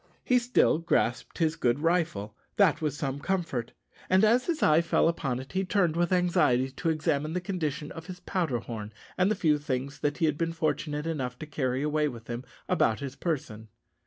He still grasped his good rifle, that was some comfort; and as his eye fell upon it, he turned with anxiety to examine into the condition of his powder horn and the few things that he had been fortunate enough to carry away with him about his person.